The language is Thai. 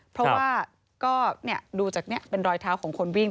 เพราะว่าก็ดูจากนี้เป็นรอยเท้าของคนวิ่ง